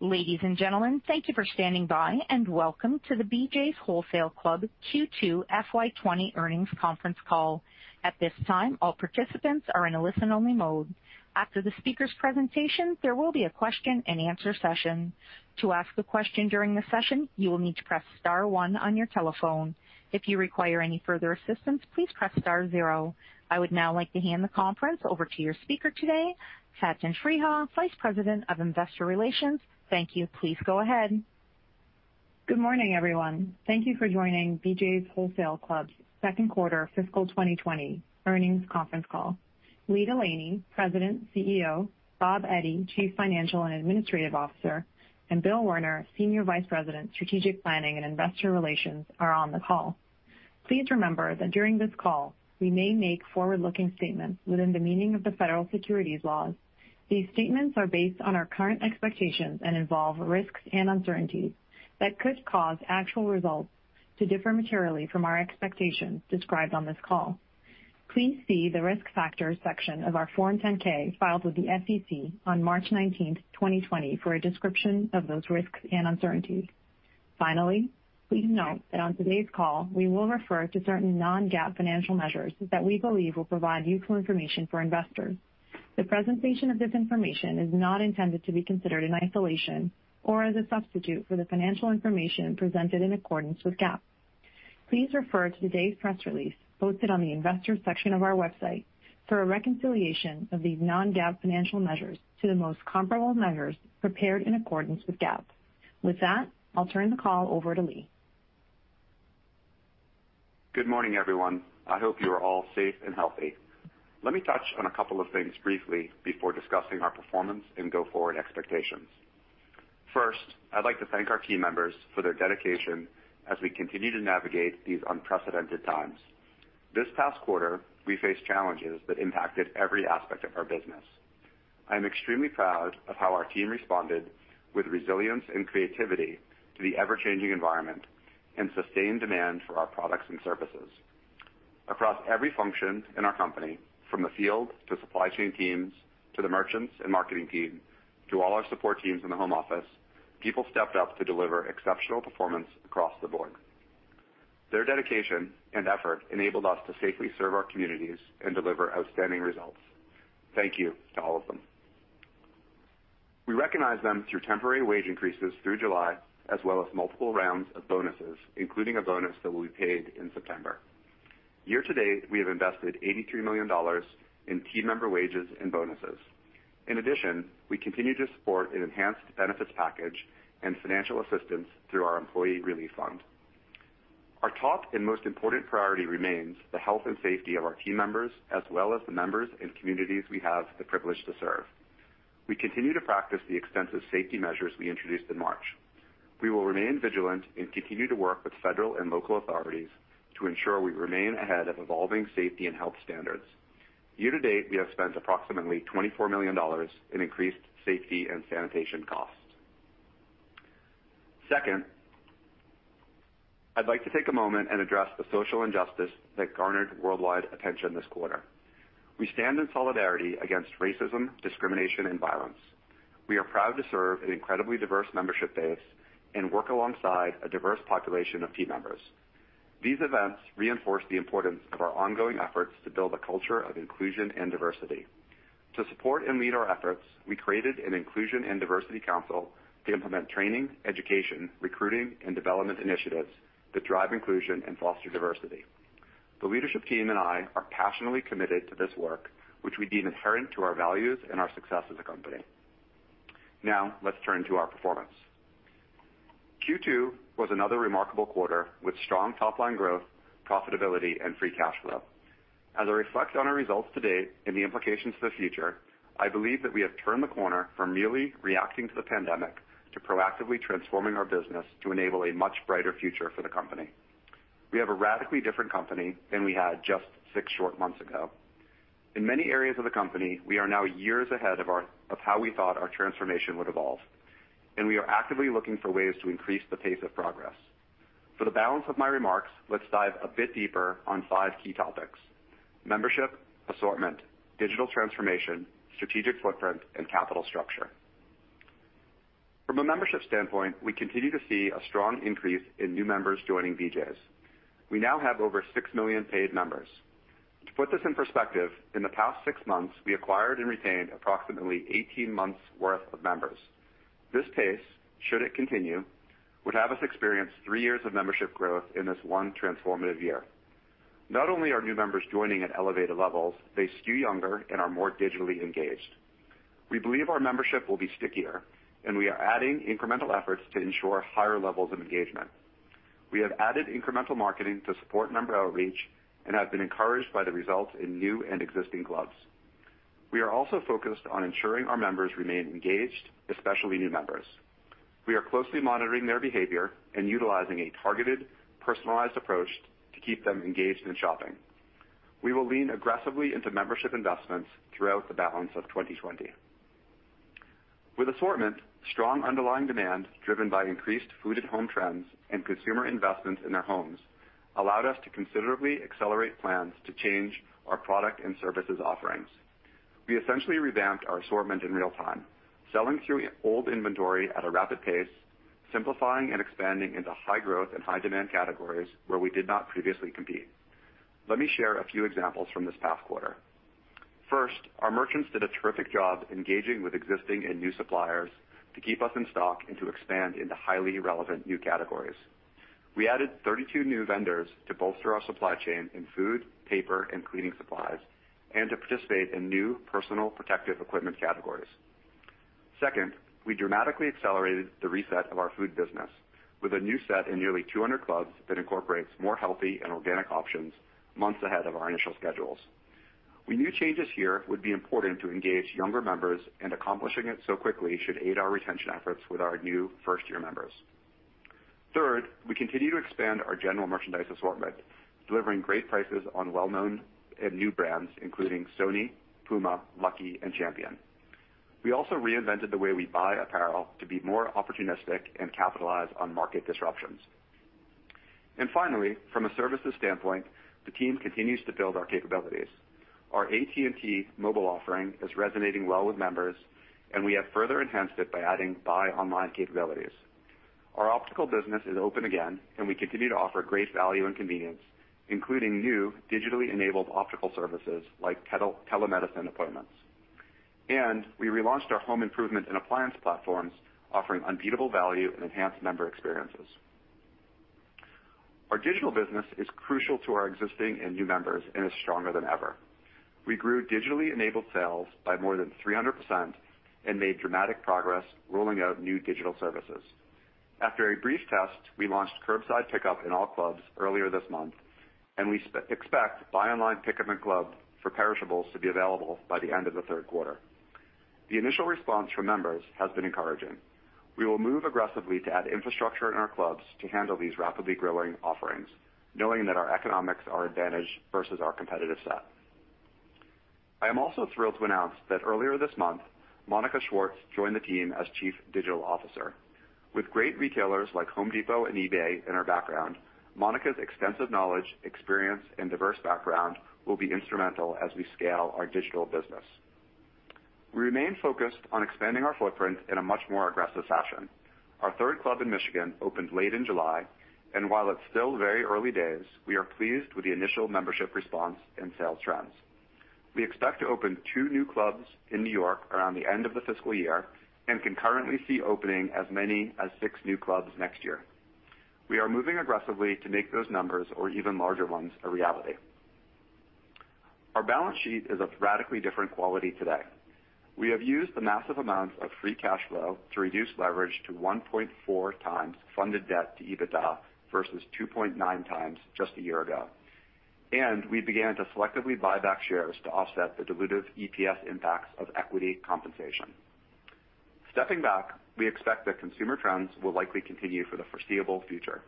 Ladies and gentlemen, thank you for standing by, and welcome to the BJ’s Wholesale Club Q2 FY 20 Earnings Conference Call. I would now like to hand the conference over to your speaker today, Faten Freiha, Vice President of Investor Relations. Thank you. Please go ahead. Good morning, everyone. Thank you for joining BJ's Wholesale Club's second quarter fiscal 2020 earnings conference call. Lee Delaney, President, CEO, Bob Eddy, Chief Financial and Administrative Officer, and Bill Werner, Senior Vice President, Strategic Planning and Investor Relations, are on the call. Please remember that during this call, we may make forward-looking statements within the meaning of the federal securities laws. These statements are based on our current expectations and involve risks and uncertainties that could cause actual results to differ materially from our expectations described on this call. Please see the Risk Factors section of our Form 10-K filed with the SEC on March 19th, 2020, for a description of those risks and uncertainties. Finally, please note that on today's call, we will refer to certain non-GAAP financial measures that we believe will provide useful information for investors. The presentation of this information is not intended to be considered in isolation or as a substitute for the financial information presented in accordance with GAAP. Please refer to today's press release, posted on the Investors section of our website, for a reconciliation of these non-GAAP financial measures to the most comparable measures prepared in accordance with GAAP. With that, I'll turn the call over to Lee. Good morning, everyone. I hope you are all safe and healthy. Let me touch on a couple of things briefly before discussing our performance and go-forward expectations. First, I'd like to thank our team members for their dedication as we continue to navigate these unprecedented times. This past quarter, we faced challenges that impacted every aspect of our business. I'm extremely proud of how our team responded with resilience and creativity to the ever-changing environment and sustained demand for our products and services. Across every function in our company, from the field to supply chain teams, to the merchants and marketing team, to all our support teams in the home office, people stepped up to deliver exceptional performance across the board. Their dedication and effort enabled us to safely serve our communities and deliver outstanding results. Thank you to all of them. We recognize them through temporary wage increases through July, as well as multiple rounds of bonuses, including a bonus that will be paid in September. Year to date, we have invested $83 million in team member wages and bonuses. In addition, we continue to support an enhanced benefits package and financial assistance through our employee relief fund. Our top and most important priority remains the health and safety of our team members, as well as the members and communities we have the privilege to serve. We continue to practice the extensive safety measures we introduced in March. We will remain vigilant and continue to work with federal and local authorities to ensure we remain ahead of evolving safety and health standards. Year to date, we have spent approximately $24 million in increased safety and sanitation costs. Second, I'd like to take a moment and address the social injustice that garnered worldwide attention this quarter. We stand in solidarity against racism, discrimination, and violence. We are proud to serve an incredibly diverse membership base and work alongside a diverse population of team members. These events reinforce the importance of our ongoing efforts to build a culture of inclusion and diversity. To support and lead our efforts, we created an inclusion and diversity council to implement training, education, recruiting, and development initiatives that drive inclusion and foster diversity. The leadership team and I are passionately committed to this work, which we deem inherent to our values and our success as a company. Let's turn to our performance. Q2 was another remarkable quarter with strong top-line growth, profitability, and free cash flow. As I reflect on our results to date and the implications for the future, I believe that we have turned the corner from merely reacting to the pandemic to proactively transforming our business to enable a much brighter future for the company. We have a radically different company than we had just six short months ago. In many areas of the company, we are now years ahead of how we thought our transformation would evolve, and we are actively looking for ways to increase the pace of progress. For the balance of my remarks, let's dive a bit deeper on five key topics: membership, assortment, digital transformation, strategic footprint, and capital structure. From a membership standpoint, we continue to see a strong increase in new members joining BJ's. We now have over 6 million paid members. To put this in perspective, in the past six months, we acquired and retained approximately 18 months' worth of members. This pace, should it continue, would have us experience three years of membership growth in this one transformative year. Not only are new members joining at elevated levels, they skew younger and are more digitally engaged. We believe our membership will be stickier, and we are adding incremental efforts to ensure higher levels of engagement. We have added incremental marketing to support member outreach and have been encouraged by the results in new and existing clubs. We are also focused on ensuring our members remain engaged, especially new members. We are closely monitoring their behavior and utilizing a targeted, personalized approach to keep them engaged and shopping. We will lean aggressively into membership investments throughout the balance of 2020. With assortment, strong underlying demand driven by increased food-at-home trends and consumer investments in their homes allowed us to considerably accelerate plans to change our product and services offering. We essentially revamped our assortment in real time, selling through old inventory at a rapid pace, simplifying and expanding into high growth and high demand categories where we did not previously compete. Let me share a few examples from this past quarter. First, our merchants did a terrific job engaging with existing and new suppliers to keep us in stock and to expand into highly relevant new categories. We added 32 new vendors to bolster our supply chain in food, paper, and cleaning supplies, and to participate in new personal protective equipment categories. Second, we dramatically accelerated the reset of our food business with a new set in nearly 200 clubs that incorporates more healthy and organic options months ahead of our initial schedules. We knew changes here would be important to engage younger members, and accomplishing it so quickly should aid our retention efforts with our new first-year members. Third, we continue to expand our general merchandise assortment, delivering great prices on well-known and new brands, including Sony, Puma, Lucky, and Champion. We also reinvented the way we buy apparel to be more opportunistic and capitalize on market disruptions. Finally, from a services standpoint, the team continues to build our capabilities. Our AT&T mobile offering is resonating well with members, and we have further enhanced it by adding buy online capabilities. Our optical business is open again, we continue to offer great value and convenience, including new digitally enabled optical services like telemedicine appointments. We relaunched our home improvement and appliance platforms, offering unbeatable value and enhanced member experiences. Our digital business is crucial to our existing and new members and is stronger than ever. We grew digitally enabled sales by more than 300% and made dramatic progress rolling out new digital services. After a brief test, we launched curbside pickup in all clubs earlier this month, and we expect buy online pickup in club for perishables to be available by the end of the third quarter. The initial response from members has been encouraging. We will move aggressively to add infrastructure in our clubs to handle these rapidly growing offerings, knowing that our economics are advantaged versus our competitive set. I am also thrilled to announce that earlier this month, Monica Schwartz joined the team as chief digital officer. With great retailers like Home Depot and eBay in her background, Monica's extensive knowledge, experience, and diverse background will be instrumental as we scale our digital business. We remain focused on expanding our footprint in a much more aggressive fashion. Our third club in Michigan opened late in July, and while it's still very early days, we are pleased with the initial membership response and sales trends. We expect to open two new clubs in N.Y. around the end of the fiscal year and can currently see opening as many as six new clubs next year. We are moving aggressively to make those numbers or even larger ones a reality. Our balance sheet is of radically different quality today. We have used the massive amounts of free cash flow to reduce leverage to 1.4 times funded debt to EBITDA versus 2.9 times just a year ago. We began to selectively buy back shares to offset the dilutive EPS impacts of equity compensation. Stepping back, we expect that consumer trends will likely continue for the foreseeable future.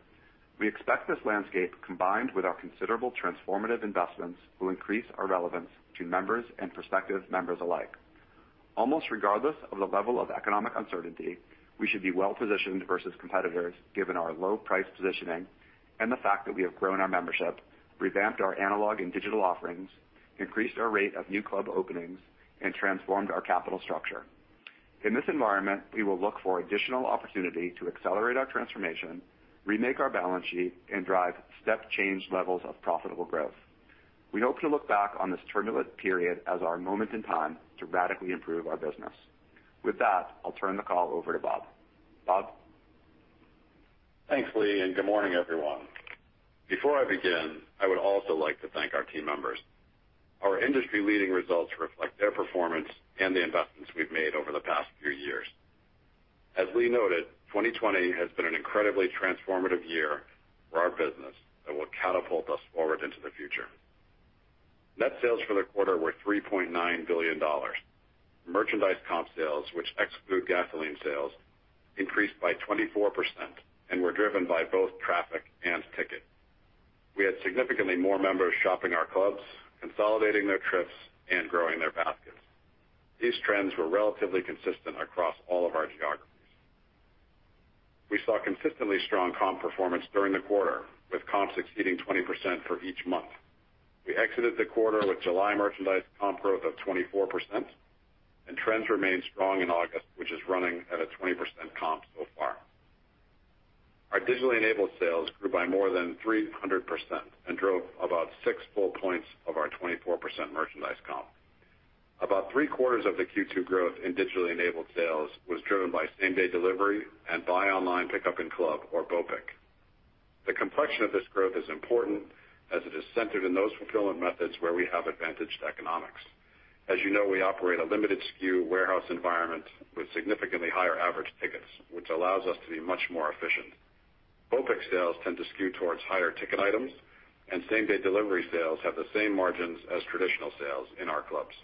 We expect this landscape, combined with our considerable transformative investments, will increase our relevance to members and prospective members alike. Almost regardless of the level of economic uncertainty, we should be well-positioned versus competitors given our low price positioning and the fact that we have grown our membership, revamped our analog and digital offerings, increased our rate of new club openings, and transformed our capital structure. In this environment, we will look for additional opportunity to accelerate our transformation, remake our balance sheet, and drive step change levels of profitable growth. We hope to look back on this turbulent period as our moment in time to radically improve our business. With that, I'll turn the call over to Bob. Bob? Thanks, Lee. Good morning, everyone. Before I begin, I would also like to thank our team members. Our industry-leading results reflect their performance and the investments we've made over the past few years. As Lee noted, 2020 has been an incredibly transformative year for our business that will catapult us forward into the future. Net sales for the quarter were $3.9 billion. Merchandise comp sales, which exclude gasoline sales, increased by 24% and were driven by both traffic and ticket. We had significantly more members shopping our clubs, consolidating their trips, and growing their baskets. These trends were relatively consistent across all of our geographies. We saw consistently strong comp performance during the quarter, with comps exceeding 20% for each month. We exited the quarter with July merchandise comp growth of 24%. Trends remained strong in August, which is running at a 20% comp so far. Our digitally enabled sales grew by more than 300% and drove about six full points of our 24% merchandise comp. About three-quarters of the Q2 growth in digitally enabled sales was driven by same-day delivery and buy online pickup in club or BOPIC. The complexion of this growth is important as it is centered in those fulfillment methods where we have advantaged economics. As you know, we operate a limited SKU warehouse environment with significantly higher average tickets, which allows us to be much more efficient. BOPIC sales tend to skew towards higher ticket items, and same-day delivery sales have the same margins as traditional sales in our clubs.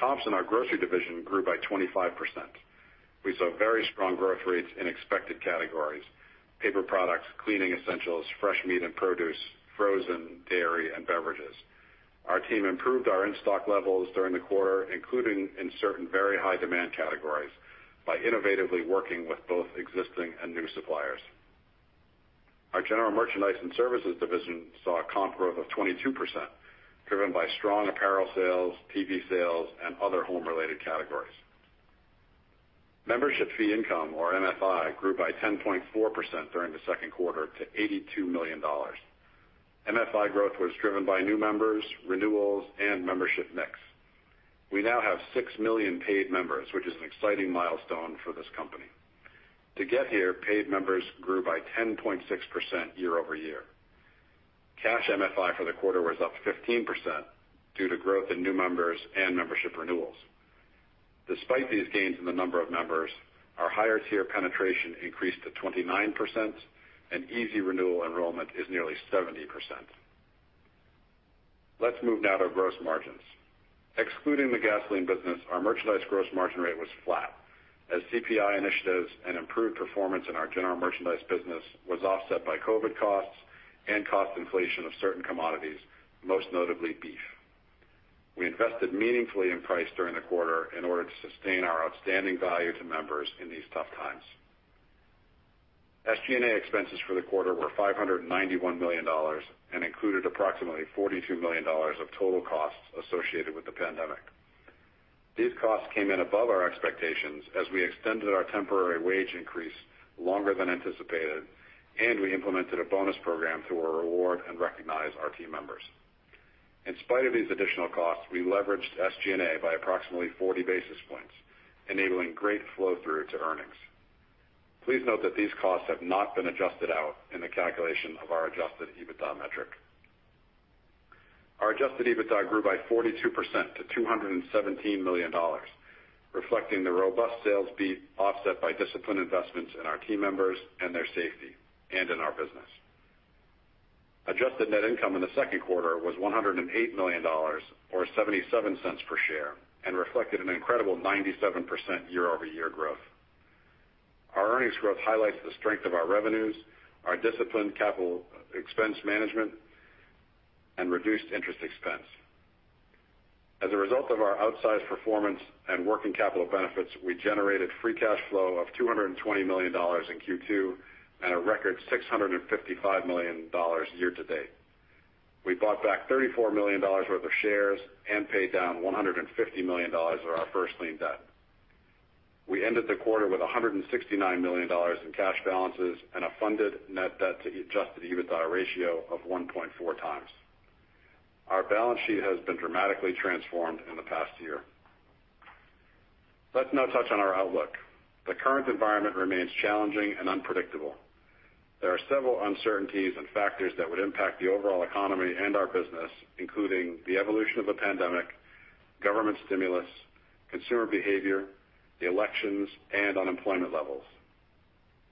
Comps in our grocery division grew by 25%. We saw very strong growth rates in expected categories, paper products, cleaning essentials, fresh meat and produce, frozen, dairy, and beverages. Our team improved our in-stock levels during the quarter, including in certain very high demand categories, by innovatively working with both existing and new suppliers. Our general merchandise and services division saw a comp growth of 22%, driven by strong apparel sales, TV sales, and other home-related categories. Membership fee income, or MFI, grew by 10.4% during the second quarter to $82 million. MFI growth was driven by new members, renewals, and membership mix. We now have 6 million paid members, which is an exciting milestone for this company. To get here, paid members grew by 10.6% year-over-year. Cash MFI for the quarter was up 15% due to growth in new members and membership renewals. Despite these gains in the number of members, our higher tier penetration increased to 29%, and easy renewal enrollment is nearly 70%. Let's move now to gross margins. Excluding the gasoline business, our merchandise gross margin rate was flat as CPI initiatives and improved performance in our general merchandise business was offset by COVID costs and cost inflation of certain commodities, most notably beef. We invested meaningfully in price during the quarter in order to sustain our outstanding value to members in these tough times. SG&A expenses for the quarter were $591 million and included approximately $42 million of total costs associated with the pandemic. These costs came in above our expectations as we extended our temporary wage increase longer than anticipated, and we implemented a bonus program to reward and recognize our team members. In spite of these additional costs, we leveraged SG&A by approximately 40 basis points, enabling great flow-through to earnings. Please note that these costs have not been adjusted out in the calculation of our adjusted EBITDA metric. Our adjusted EBITDA grew by 42% to $217 million, reflecting the robust sales beat offset by disciplined investments in our team members and their safety, and in our business. Adjusted net income in the second quarter was $108 million, or $0.77 per share, and reflected an incredible 97% year-over-year growth. Our earnings growth highlights the strength of our revenues, our disciplined capital expense management, and reduced interest expense. As a result of our outsized performance and working capital benefits, we generated free cash flow of $220 million in Q2 and a record $655 million year-to-date. We bought back $34 million worth of shares and paid down $150 million of our first lien debt. We ended the quarter with $169 million in cash balances and a funded net debt to adjusted EBITDA ratio of 1.4 times. Our balance sheet has been dramatically transformed in the past year. Let's now touch on our outlook. The current environment remains challenging and unpredictable. There are several uncertainties and factors that would impact the overall economy and our business, including the evolution of the pandemic, government stimulus, consumer behavior, the elections, and unemployment levels.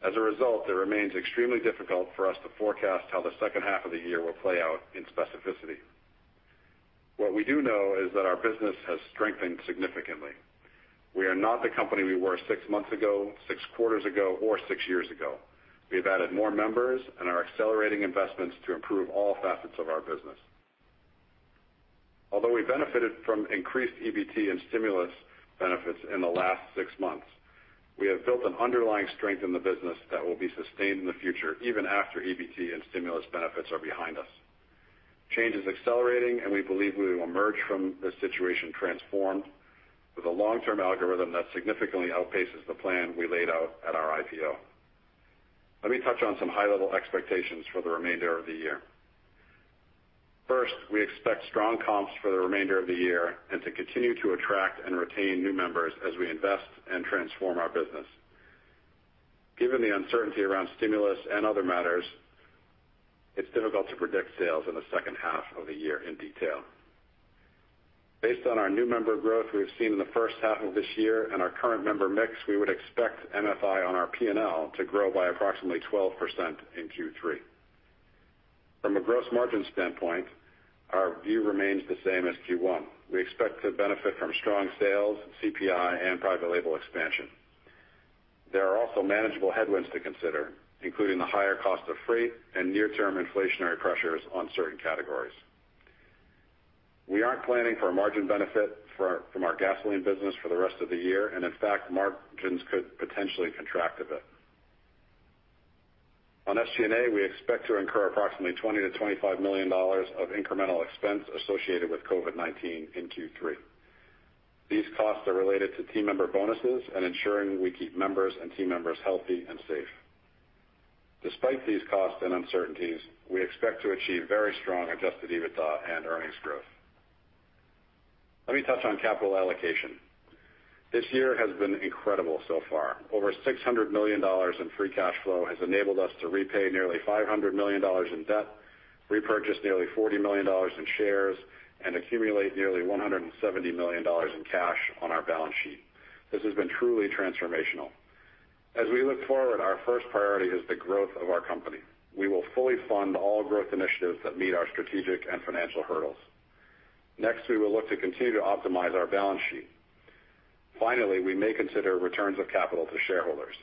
As a result, it remains extremely difficult for us to forecast how the second half of the year will play out in specificity. What we do know is that our business has strengthened significantly. We are not the company we were six months ago, six quarters ago, or six years ago. We have added more members and are accelerating investments to improve all facets of our business. Although we benefited from increased EBT and stimulus benefits in the last six months, we have built an underlying strength in the business that will be sustained in the future, even after EBT and stimulus benefits are behind us. Change is accelerating, and we believe we will emerge from this situation transformed, with a long-term algorithm that significantly outpaces the plan we laid out at our IPO. Let me touch on some high-level expectations for the remainder of the year. First, we expect strong comps for the remainder of the year and to continue to attract and retain new members as we invest and transform our business. Given the uncertainty around stimulus and other matters, it's difficult to predict sales in the second half of the year in detail. Based on our new member growth we've seen in the first half of this year and our current member mix, we would expect MFI on our P&L to grow by approximately 12% in Q3. From a gross margin standpoint, our view remains the same as Q1. We expect to benefit from strong sales, CPI, and private label expansion. There are also manageable headwinds to consider, including the higher cost of freight and near-term inflationary pressures on certain categories. We aren't planning for a margin benefit from our gasoline business for the rest of the year, and in fact, margins could potentially contract a bit. On SG&A, we expect to incur approximately $20 million-$25 million of incremental expense associated with COVID-19 in Q3. These costs are related to team member bonuses and ensuring we keep members and team members healthy and safe. Despite these costs and uncertainties, we expect to achieve very strong adjusted EBITDA and earnings growth. Let me touch on capital allocation. This year has been incredible so far. Over $600 million in free cash flow has enabled us to repay nearly $500 million in debt, repurchase nearly $40 million in shares, and accumulate nearly $170 million in cash on our balance sheet. This has been truly transformational. As we look forward, our first priority is the growth of our company. We will fully fund all growth initiatives that meet our strategic and financial hurdles. Next, we will look to continue to optimize our balance sheet. Finally, we may consider returns of capital to shareholders.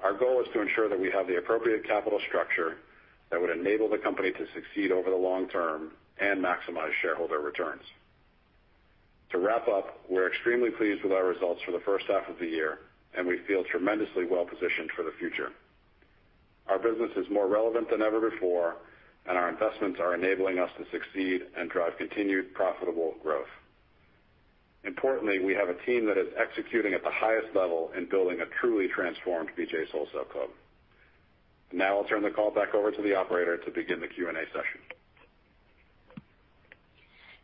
Our goal is to ensure that we have the appropriate capital structure that would enable the company to succeed over the long term and maximize shareholder returns. To wrap up, we're extremely pleased with our results for the first half of the year, and we feel tremendously well-positioned for the future. Our business is more relevant than ever before, our investments are enabling us to succeed and drive continued profitable growth. Importantly, we have a team that is executing at the highest level and building a truly transformed BJ's Wholesale Club. I'll turn the call back over to the operator to begin the Q&A session.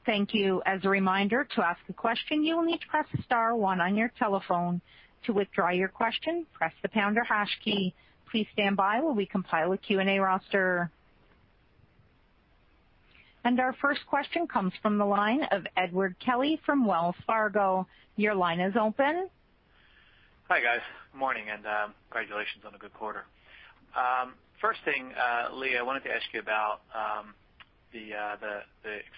Thank you. As a reminder, to ask a question, you will need to press star one on your telephone. To withdraw your question, press the pound or hash key. Please stand by while we compile a Q&A roster. Our first question comes from the line of Edward Kelly from Wells Fargo. Your line is open. Hi, guys. Morning. Congratulations on a good quarter. First thing, Lee, I wanted to ask you about the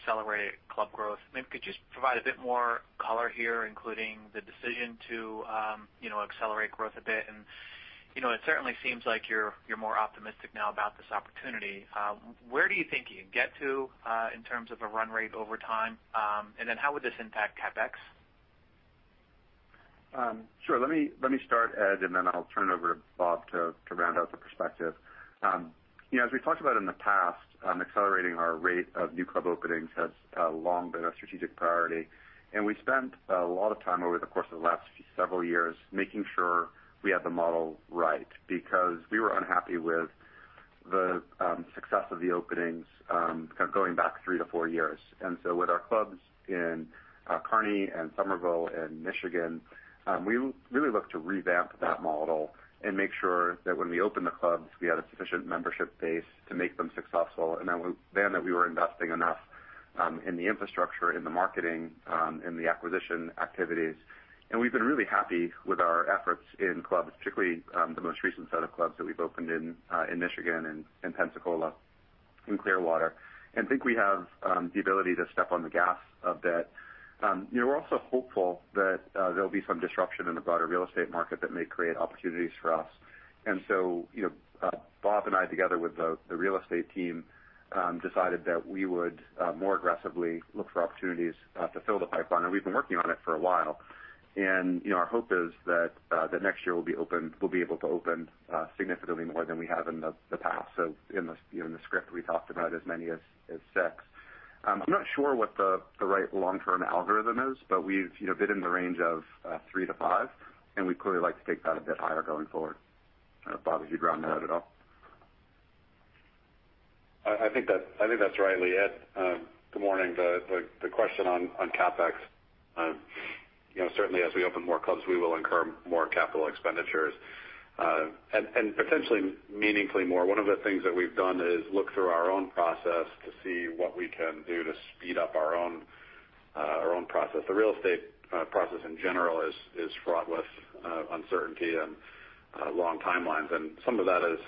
accelerated club growth. Maybe could you just provide a bit more color here, including the decision to accelerate growth a bit? It certainly seems like you're more optimistic now about this opportunity. Where do you think you can get to in terms of a run rate over time? How would this impact CapEx? Sure. Let me start, Ed, and then I'll turn it over to Bob to round out the perspective. As we talked about in the past, accelerating our rate of new club openings has long been a strategic priority, and we spent a lot of time over the course of the last several years making sure we had the model right because we were unhappy with the success of the openings kind of going back three to four years. With our clubs in Kearny and Summerville and Michigan, we really looked to revamp that model and make sure that when we open the clubs, we had a sufficient membership base to make them successful and then that we were investing enough in the infrastructure, in the marketing, in the acquisition activities. We've been really happy with our efforts in clubs, particularly the most recent set of clubs that we've opened in Michigan and Pensacola and Clearwater, and think we have the ability to step on the gas a bit. We're also hopeful that there'll be some disruption in the broader real estate market that may create opportunities for us. Bob and I, together with the real estate team, decided that we would more aggressively look for opportunities to fill the pipeline, and we've been working on it for a while. Our hope is that next year we'll be able to open significantly more than we have in the past. In the script, we talked about as many as six. I'm not sure what the right long-term algorithm is, but we've bid in the range of three to five, and we'd clearly like to take that a bit higher going forward. Bob, would you'd round that at all? I think that's right, Lee. Ed, good morning. The question on CapEx. Certainly as we open more clubs, we will incur more capital expenditures, and potentially meaningfully more. One of the things that we've done is look through our own process to see what we can do to speed up our own process. The real estate process in general is fraught with uncertainty and long timelines, and some of that is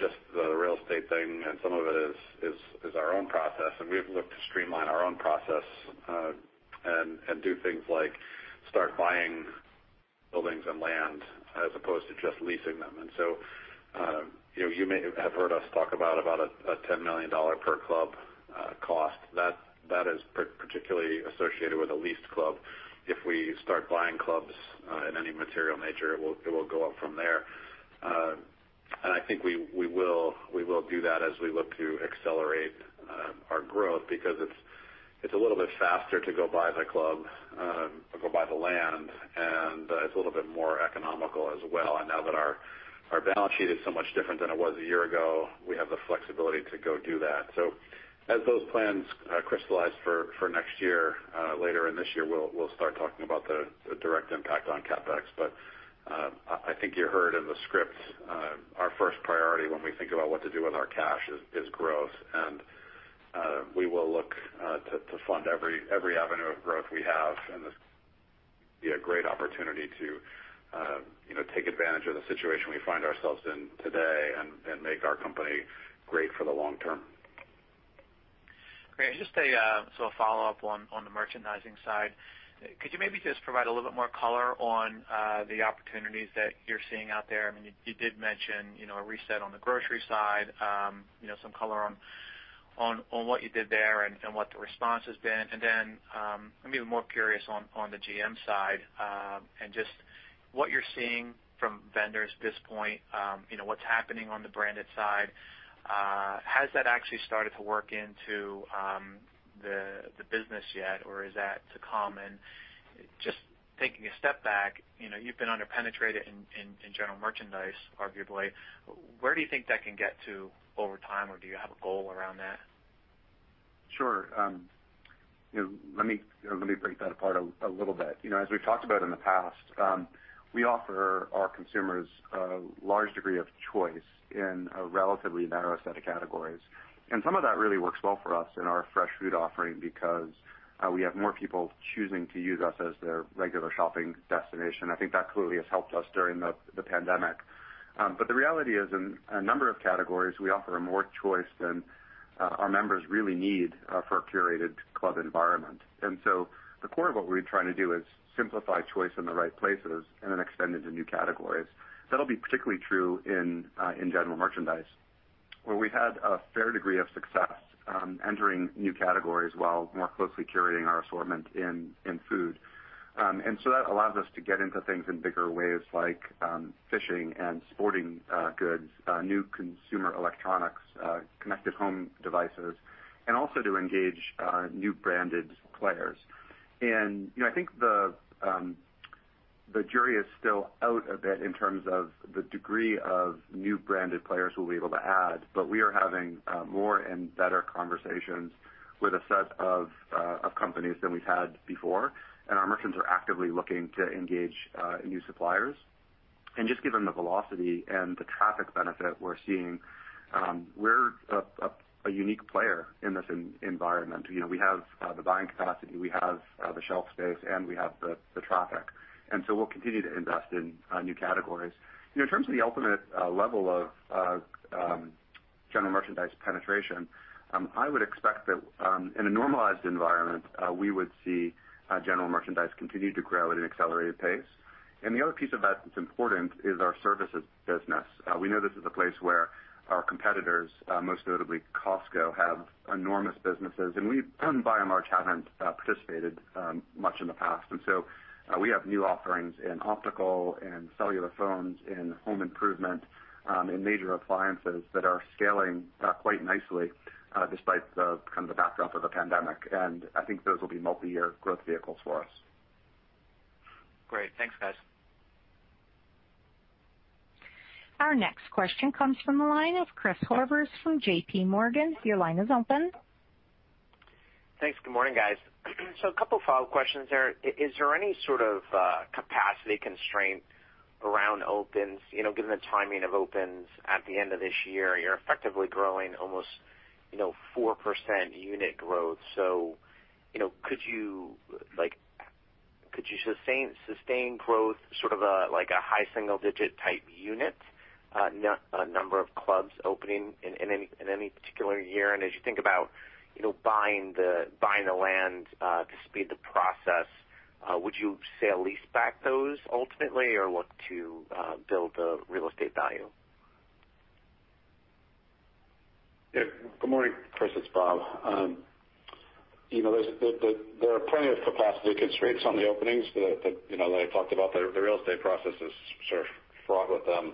just the real estate thing, and some of it is our own process, and we've looked to streamline our own process, and do things like start buying buildings and land as opposed to just leasing them. So, you may have heard us talk about a $10 million per club cost. That is particularly associated with a leased club. If we start buying clubs in any material nature, it will go up from there. I think we will do that as we look to accelerate our growth because it's a little bit faster to go buy the club or go buy the land, and it's a little bit more economical as well. Now that our balance sheet is so much different than it was a year ago, we have the flexibility to go do that. As those plans crystallize for next year, later in this year, we'll start talking about the direct impact on CapEx. I think you heard in the script, our first priority when we think about what to do with our cash is growth, and we will look to fund every avenue of growth we have, and this would be a great opportunity to take advantage of the situation we find ourselves in today and make our company great for the long term. Great. Just a follow-up on the merchandising side. Could you maybe just provide a little bit more color on the opportunities that you're seeing out there? You did mention a reset on the grocery side. Some color on what you did there and what the response has been. I'm even more curious on the GM side, and just what you're seeing from vendors at this point. What's happening on the branded side? Has that actually started to work into the business yet, or is that to come? Taking a step back, you've been under-penetrated in general merchandise, arguably. Where do you think that can get to over time, or do you have a goal around that? Sure. Let me break that apart a little bit. As we've talked about in the past, we offer our consumers a large degree of choice in a relatively narrow set of categories. Some of that really works well for us in our fresh food offering because we have more people choosing to use us as their regular shopping destination. I think that clearly has helped us during the pandemic. The reality is, in a number of categories, we offer more choice than our members really need for a curated club environment. At the core of what we're trying to do is simplify choice in the right places and then extend it to new categories. That'll be particularly true in general merchandise. Where we've had a fair degree of success entering new categories while more closely curating our assortment in food. That allows us to get into things in bigger ways, like fishing and sporting goods, new consumer electronics, connected home devices, and also to engage new branded players. I think the jury is still out a bit in terms of the degree of new branded players we'll be able to add, but we are having more and better conversations with a set of companies than we've had before, and our merchants are actively looking to engage new suppliers. Just given the velocity and the traffic benefit we're seeing, we're a unique player in this environment. We have the buying capacity, we have the shelf space, and we have the traffic. We'll continue to invest in new categories. In terms of the ultimate level of general merchandise penetration, I would expect that in a normalized environment, we would see general merchandise continue to grow at an accelerated pace. The other piece of that that's important is our services business. We know this is a place where our competitors, most notably Costco, have enormous businesses, and we by and large haven't participated much in the past. We have new offerings in optical, in cellular phones, in home improvement, in major appliances that are scaling quite nicely despite the backdrop of the pandemic, and I think those will be multi-year growth vehicles for us. Great. Thanks, guys. Our next question comes from the line of Chris Horvers from JPMorgan. Your line is open. Thanks. Good morning, guys. A couple follow-up questions there. Is there any sort of capacity constraint around opens, given the timing of opens at the end of this year, you're effectively growing almost 4% unit growth. Could you sustain growth sort of like a high single-digit type unit, number of clubs opening in any particular year? As you think about buying the land to speed the process, would you sale-lease back those ultimately or look to build the real estate value? Yeah. Good morning, Chris. It's Bob. There are plenty of capacity constraints on the openings that I talked about. The real estate process is sort of fraught with them.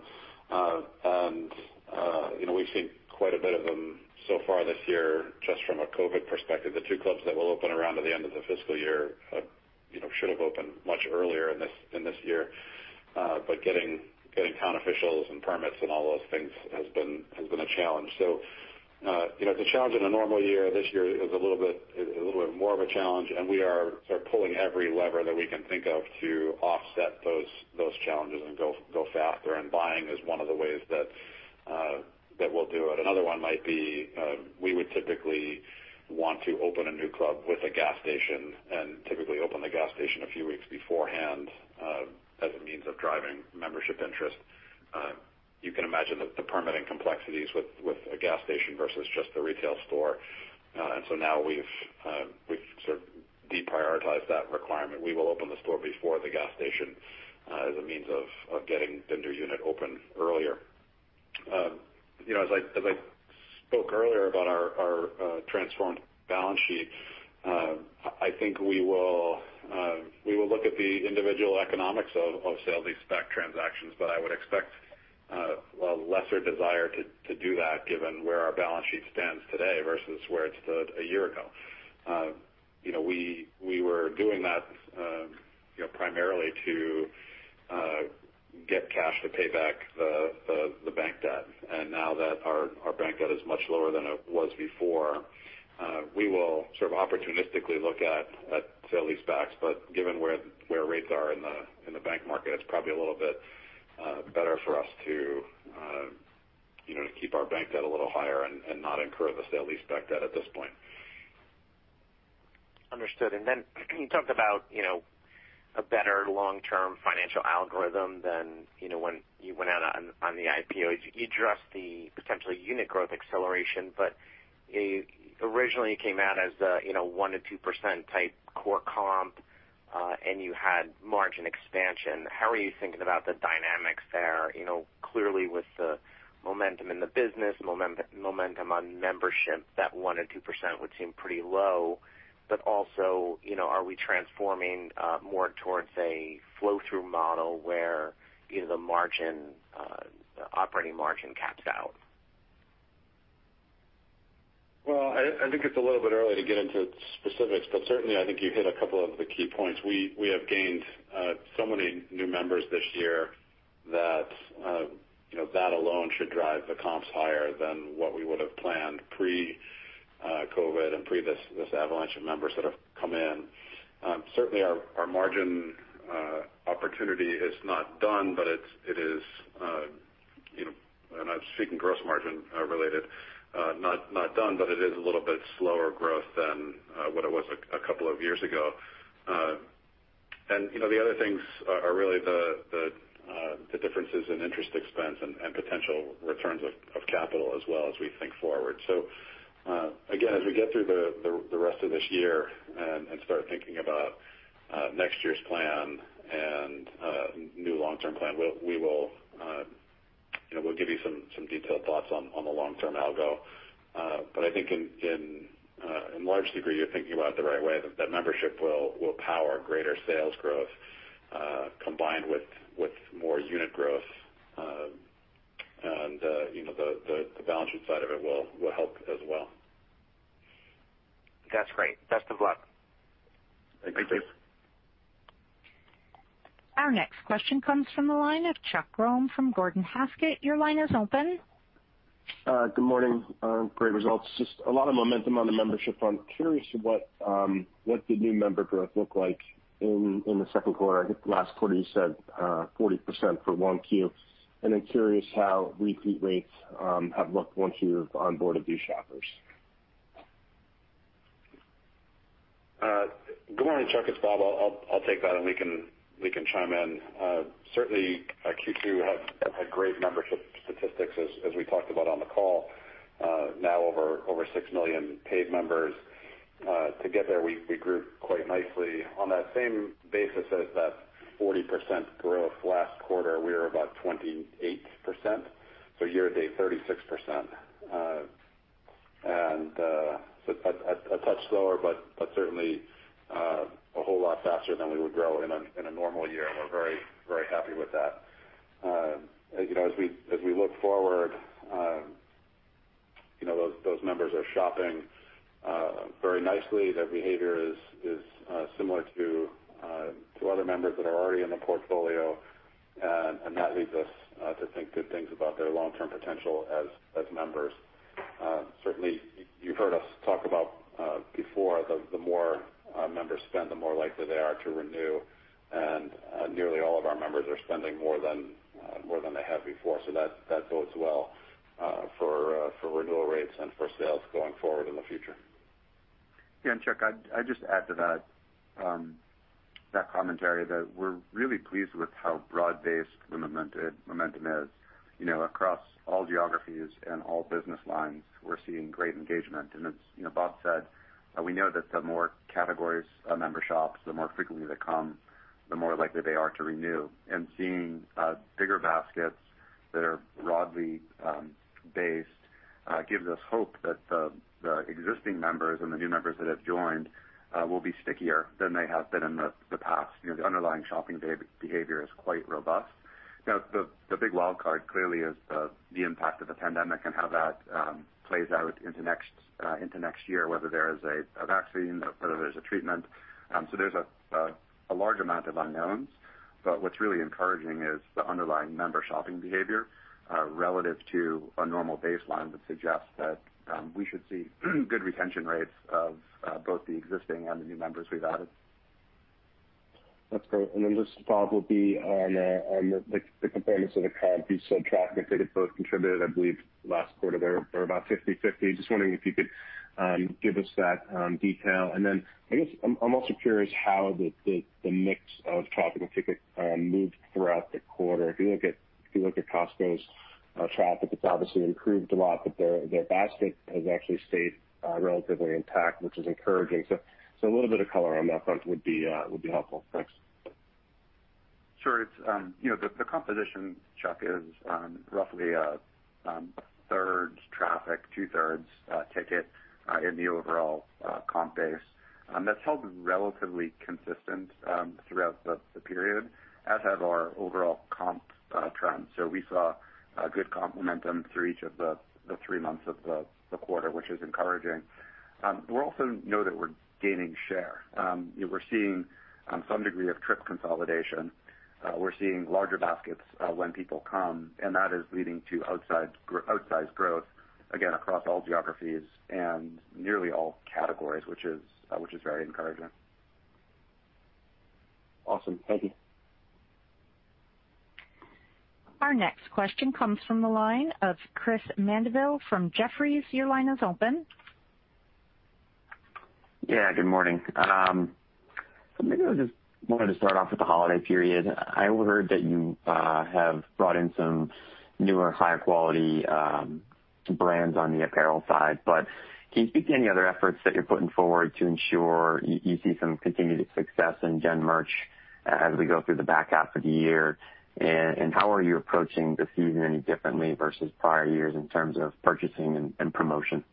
And we've seen quite a bit of them so far this year just from a COVID perspective. The two clubs that will open around at the end of the fiscal year should have opened much earlier in this year. Getting town officials and permits and all those things has been a challenge. It's a challenge in a normal year. This year is a little bit more of a challenge, and we are sort of pulling every lever that we can think of to offset those challenges and go faster, and buying is one of the ways that we'll do it. Another one might be, we would typically want to open a new club with a gas station, and typically open the gas station a few weeks beforehand as a means of driving membership interest. You can imagine that the permitting complexities with a gas station versus just the retail store. Now we've sort of deprioritized that requirement. We will open the store before the gas station as a means of getting the new unit open earlier. As I spoke earlier about our transformed balance sheet, I think we will look at the individual economics of sale-leaseback transactions, but I would expect a lesser desire to do that given where our balance sheet stands today versus where it stood a year ago. We were doing that primarily to get cash to pay back the bank debt. Now that our bank debt is much lower than it was before, we will sort of opportunistically look at sale-leasebacks, but given where rates are in the bank market, it's probably a little bit better for us to keep our bank debt a little higher and not incur the sale-leaseback debt at this point. Understood. Then you talked about a better long-term financial algorithm than when you went out on the IPO. You addressed the potential unit growth acceleration, but originally it came out as the 1%-2% type core comp, and you had margin expansion. How are you thinking about the dynamics there? Clearly with the momentum in the business, momentum on membership, that 1%-2% would seem pretty low, but also are we transforming more towards a flow-through model where the operating margin caps out? Well, I think it's a little bit early to get into specifics, but certainly I think you hit a couple of the key points. We have gained so many new members this year that that alone should drive the comps higher than what we would have planned pre-COVID and pre this avalanche of members that have come in. Certainly our margin opportunity is not done, but it is, and I'm speaking gross margin related, not done, but it is a little bit slower growth than what it was a couple of years ago. The other things are really the differences in interest expense and potential returns of capital as well as we think forward. Again, as we get through the rest of this year and start thinking about next year's plan and new long-term plan, we'll give you some detailed thoughts on the long-term algo. I think in large degree, you're thinking about it the right way, that membership will power greater sales growth, combined with more unit growth. The balance sheet side of it will help as well. That's great. Best of luck. Thank you. Thank you. Our next question comes from the line of Chuck Grom from Gordon Haskett. Your line is open. Good morning. Great results. Just a lot of momentum on the membership front. Curious what the new member growth looked like in the second quarter. I think last quarter you said 40% for 1Q. Curious how repeat rates have looked once you've onboarded these shoppers. Good morning, Chuck, it's Bob. I'll take that, and we can chime in. Certainly, Q2 had great membership statistics, as we talked about on the call. Now over six million paid members. To get there, we grew quite nicely. On that same basis as that 40% growth last quarter, we are about 28%, so year to date, 36%. A touch slower, but certainly a whole lot faster than we would grow in a normal year, and we're very happy with that. As we look forward, those members are shopping very nicely. Their behavior is similar to other members that are already in the portfolio. That leads us to think good things about their long-term potential as members. Certainly, you've heard us talk about before, the more members spend, the more likely they are to renew. Nearly all of our members are spending more than they have before. That bodes well for renewal rates and for sales going forward in the future. Chuck, I'd just add to that commentary that we're really pleased with how broad based the momentum is. Across all geographies and all business lines, we're seeing great engagement. As Bob said, we know that the more categories a member shops, the more frequently they come, the more likely they are to renew. Seeing bigger baskets that are broadly based gives us hope that the existing members and the new members that have joined will be stickier than they have been in the past. The underlying shopping behavior is quite robust. The big wild card clearly is the impact of the pandemic and how that plays out into next year, whether there is a vaccine, whether there's a treatment. There's a large amount of unknowns. What's really encouraging is the underlying member shopping behavior relative to a normal baseline that suggests that we should see good retention rates of both the existing and the new members we've added. That's great. Just, Bob, would be on the components of the comp, you said traffic and ticket both contributed, I believe, last quarter there for about 50/50. Just wondering if you could give us that detail. I guess I'm also curious how the mix of traffic and ticket moved throughout the quarter. If you look at Costco's traffic, it's obviously improved a lot, but their basket has actually stayed relatively intact, which is encouraging. A little bit of color on that front would be helpful. Thanks. Sure. The composition, Chuck, is roughly a third traffic, two thirds ticket in the overall comp base. That's held relatively consistent throughout the period, as have our overall comp trends. We saw good comp momentum through each of the three months of the quarter, which is encouraging. We also know that we're gaining share. We're seeing some degree of trip consolidation. We're seeing larger baskets when people come, and that is leading to outsized growth, again across all geographies and nearly all categories, which is very encouraging. Awesome. Thank you. Our next question comes from the line of Chris Mandeville from Jefferies. Your line is open. Yeah, good morning. Maybe I just wanted to start off with the holiday period. I overheard that you have brought in some newer, higher quality brands on the apparel side, but can you speak to any other efforts that you're putting forward to ensure you see some continued success in gen merch as we go through the back half of the year? How are you approaching the season any differently versus prior years in terms of purchasing and promotion?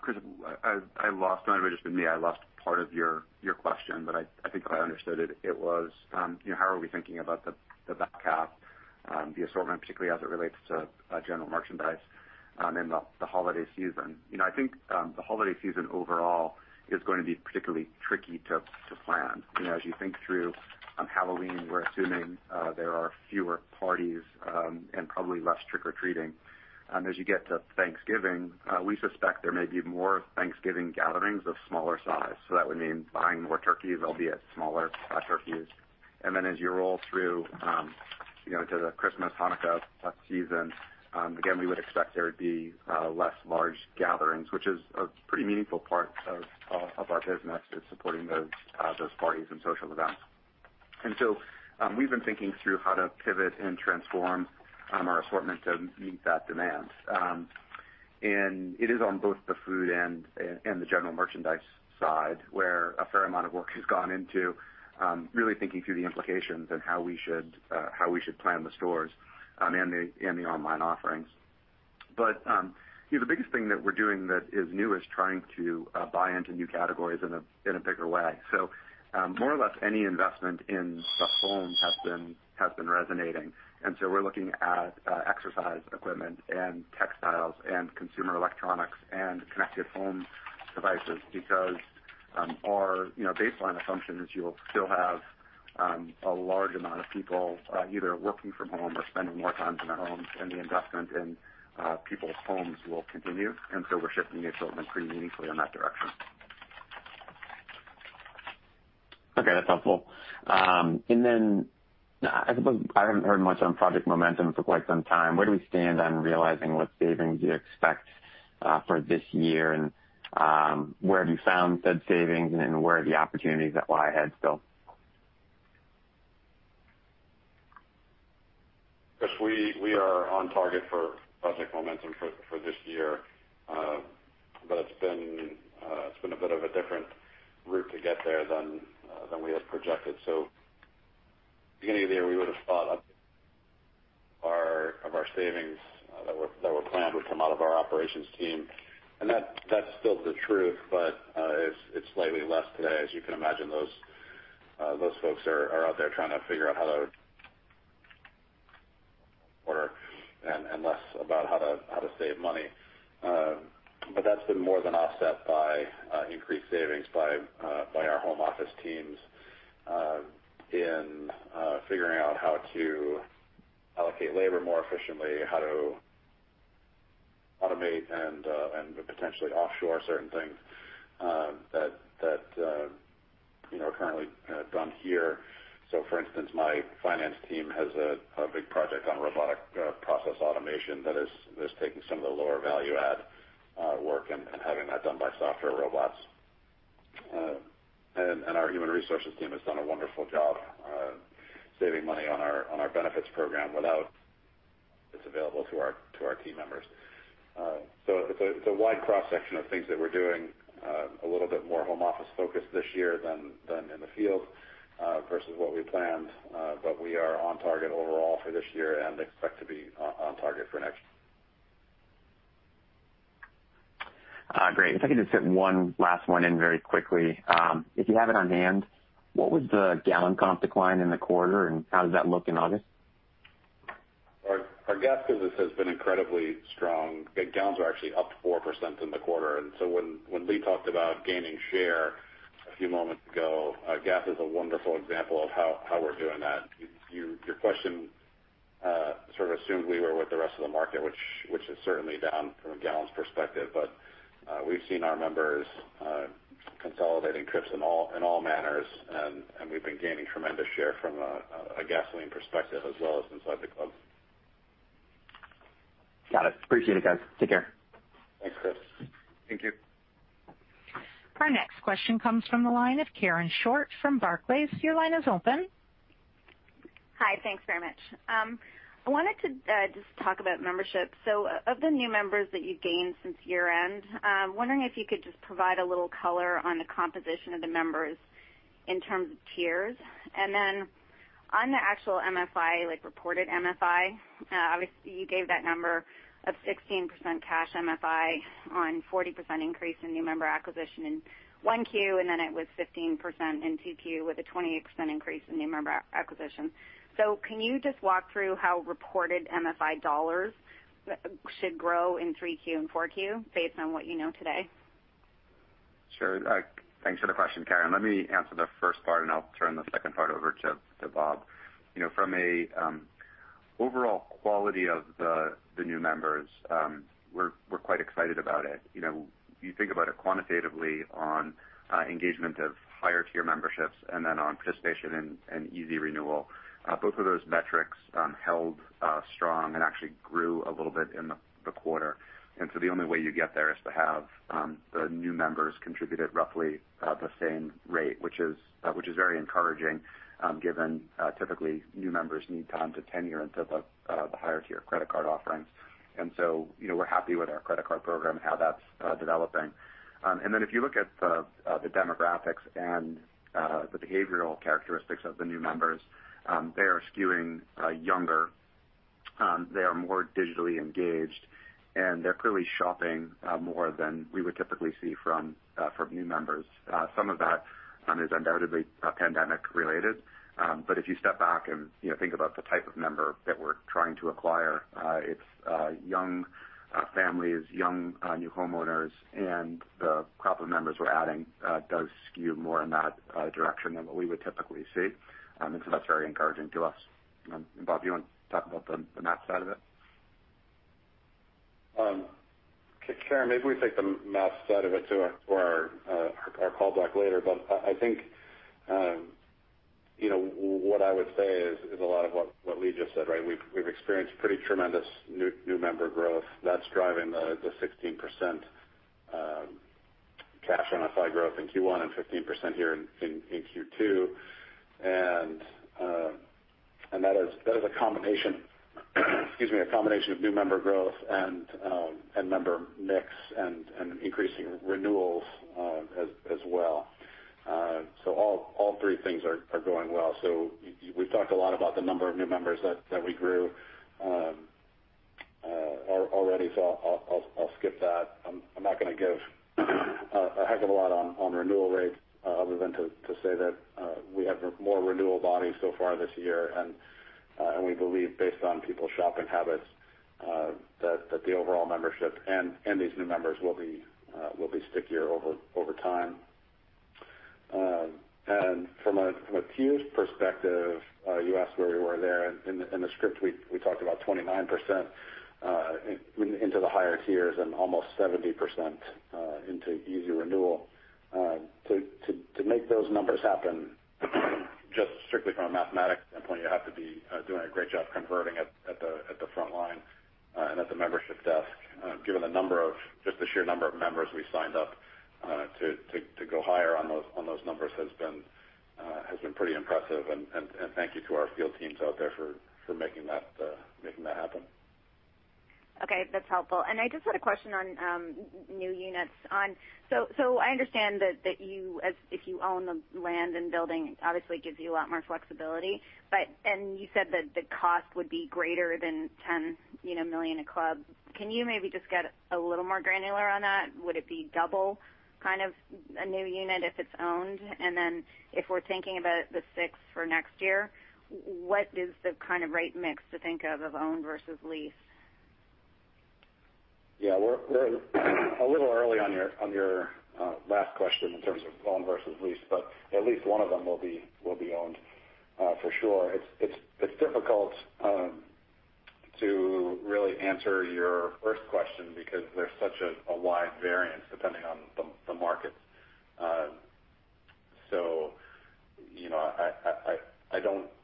Chris, I don't know if it was just me, I lost part of your question. I think if I understood it was how are we thinking about the back half, the assortment, particularly as it relates to general merchandise in the holiday season. I think the holiday season overall is going to be particularly tricky to plan. As you think through Halloween, we're assuming there are fewer parties and probably less trick or treating. As you get to Thanksgiving, we suspect there may be more Thanksgiving gatherings of smaller size. That would mean buying more turkeys, albeit smaller turkeys. As you roll through to the Christmas, Hanukkah season, again, we would expect there would be less large gatherings, which is a pretty meaningful part of our business is supporting those parties and social events. We've been thinking through how to pivot and transform our assortment to meet that demand. It is on both the food and the general merchandise side, where a fair amount of work has gone into really thinking through the implications and how we should plan the stores and the online offerings. The biggest thing that we're doing that is new is trying to buy into new categories in a bigger way. More or less any investment in the home has been resonating, we're looking at exercise equipment and textiles and consumer electronics and connected home devices because our baseline assumption is you'll still have a large amount of people either working from home or spending more time in their homes, and the investment in people's homes will continue. We're shifting the assortment pretty meaningfully in that direction. Okay, that's helpful. I suppose I haven't heard much on Project Momentum for quite some time. Where do we stand on realizing what savings you expect for this year, and where have you found said savings, and where are the opportunities that lie ahead still? Chris, we are on target for Project Momentum for this year. It's been a bit of a different route to get there than we had projected. Beginning of the year, we would've thought of our savings that were planned would come out of our operations team, and that's still the truth. It's slightly less today. As you can imagine, those folks are out there trying to figure out how to order and less about how to save money. That's been more than offset by increased savings by our home office teams in figuring out how to allocate labor more efficiently, how to automate and potentially offshore certain things that are currently done here. For instance, my finance team has a big project on robotic process automation that is taking some of the lower value add work and having that done by software robots. Our human resources team has done a wonderful job saving money on our benefits program without it's available to our team members. It's a wide cross-section of things that we're doing, a little bit more home office focused this year than in the field, versus what we planned. We are on target overall for this year and expect to be on target for next. Great. If I could just fit one last one in very quickly. If you have it on hand, what was the gallon comp decline in the quarter, and how does that look in August? Our gas business has been incredibly strong. Gallons are actually up 4% in the quarter. When Lee talked about gaining share a few moments ago, gas is a wonderful example of how we're doing that. Your question sort of assumed we were with the rest of the market, which is certainly down from a gallons perspective. We've seen our members consolidating trips in all manners, and we've been gaining tremendous share from a gasoline perspective as well as inside the club. Got it. Appreciate it, guys. Take care. Thanks, Chris. Thank you. Our next question comes from the line of Karen Short from Barclays. Your line is open. Hi. Thanks very much. I wanted to just talk about membership. Of the new members that you gained since year-end, I'm wondering if you could just provide a little color on the composition of the members in terms of tiers. Then on the actual MFI, like reported MFI, obviously you gave that number of 16% cash MFI on 40% increase in new member acquisition in 1Q, then it was 15% in 2Q with a 28% increase in new member acquisition. Can you just walk through how reported MFI dollars should grow in 3Q and 4Q based on what you know today? Sure. Thanks for the question, Karen. Let me answer the first part, and I'll turn the second part over to Bob. From a overall quality of the new members, we're quite excited about it. You think about it quantitatively on engagement of higher tier memberships, on participation and easy renewal. Both of those metrics held strong and actually grew a little bit in the quarter. The only way you get there is to have the new members contributed roughly the same rate, which is very encouraging given typically new members need time to tenure into the higher tier credit card offerings. We're happy with our credit card program and how that's developing. If you look at the demographics and the behavioral characteristics of the new members, they are skewing younger. They are more digitally engaged, they're clearly shopping more than we would typically see from new members. Some of that is undoubtedly pandemic related. If you step back and think about the type of member that we're trying to acquire, it's young families, young new homeowners, the crop of members we're adding does skew more in that direction than what we would typically see. That's very encouraging to us. Bob, you want to talk about the math side of it? Karen, maybe we take the math side of it to our call back later. I think what I would say is a lot of what Lee just said, right? We've experienced pretty tremendous new member growth that's driving the 16% MFI growth in Q1 and 15% here in Q2. That is a combination of new member growth and member mix and increasing renewals as well. All three things are going well. We've talked a lot about the number of new members that we grew already, so I'll skip that. I'm not going to give a heck of a lot on renewal rates other than to say that we have more renewal bodies so far this year, and we believe based on people's shopping habits that the overall membership and these new members will be stickier over time. From a tiers perspective, you asked where we were there. In the script, we talked about 29% into the higher tiers and almost 70% into easy renewal. To make those numbers happen, just strictly from a mathematic standpoint, you have to be doing a great job converting at the front line and at the membership desk. Given just the sheer number of members we signed up, to go higher on those numbers has been pretty impressive and thank you to our field teams out there for making that happen. Okay. That's helpful. I just had a question on new units. I understand that if you own the land and building, obviously gives you a lot more flexibility. You said that the cost would be greater than $10 million a club. Can you maybe just get a little more granular on that? Would it be double a new unit if it's owned? Then if we're thinking about the mix for next year, what is the kind of right mix to think of owned versus leased? Yeah. We're a little early on your last question in terms of owned versus leased, but at least one of them will be owned for sure. It's difficult to really answer your first question because there's such a wide variance depending on the market.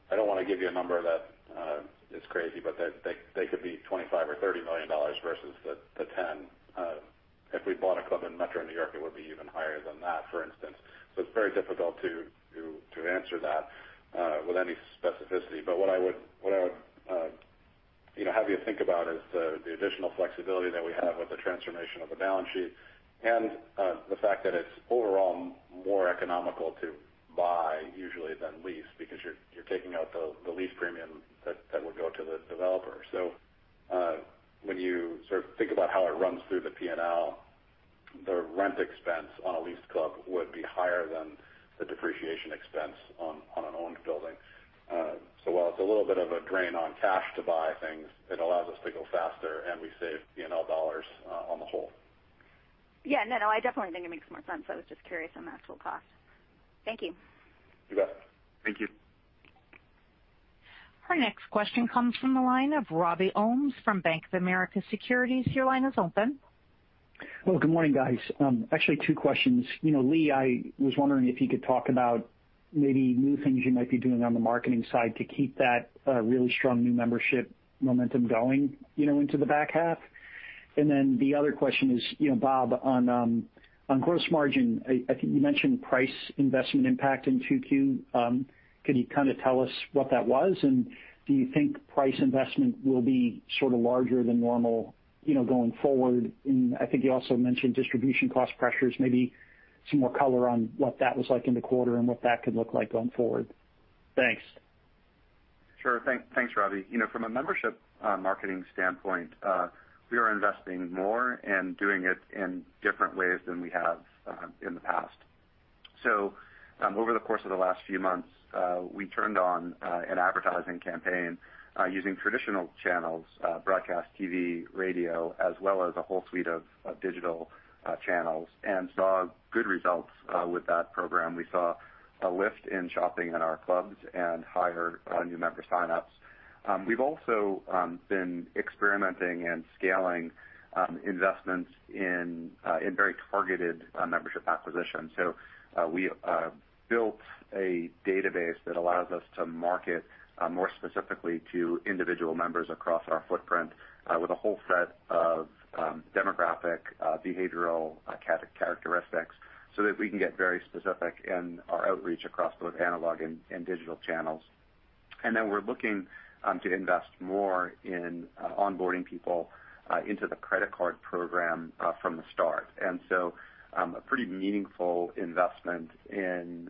I don't want to give you a number that is crazy, but they could be $25 or $30 million versus the 10. If we bought a club in Metro New York, it would be even higher than that, for instance. It's very difficult to answer that with any specificity. What I would have you think about is the additional flexibility that we have with the transformation of a balance sheet and the fact that it's overall more economical to buy usually than lease because you're taking out the lease premium that would go to the developer. When you sort of think about how it runs through the P&L, the rent expense on a leased club would be higher than the depreciation expense on an owned building. While it's a little bit of a drain on cash to buy things, it allows us to go faster and we save P&L dollars on the whole. Yeah, no, I definitely think it makes more sense. I was just curious on the actual cost. Thank you. You bet. Thank you. Our next question comes from the line of Robbie Ohmes from Bank of America Securities. Your line is open. Well, good morning, guys. Actually two questions. Lee, I was wondering if you could talk about maybe new things you might be doing on the marketing side to keep that really strong new membership momentum going into the back half. The other question is, Bob, on gross margin, I think you mentioned price investment impact in 2Q. Can you kind of tell us what that was? Do you think price investment will be sort of larger than normal going forward? I think you also mentioned distribution cost pressures. Maybe some more color on what that was like in the quarter and what that could look like going forward. Thanks. Sure. Thanks, Robbie. From a membership marketing standpoint, we are investing more and doing it in different ways than we have in the past. Over the course of the last few months, we turned on an advertising campaign using traditional channels, broadcast TV, radio, as well as a whole suite of digital channels, and saw good results with that program. We saw a lift in shopping in our clubs and higher new member sign-ups. We've also been experimenting and scaling investments in very targeted membership acquisition. We built a database that allows us to market more specifically to individual members across our footprint with a whole set of demographic, behavioral characteristics so that we can get very specific in our outreach across both analog and digital channels. We're looking to invest more in onboarding people into the credit card program from the start. A pretty meaningful investment in